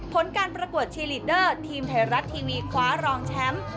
ผลการประกวดชีลีดเดอร์ทีมไทยรัฐทีวีคว้ารองแชมป์